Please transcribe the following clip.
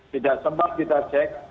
tidak sempat kita cek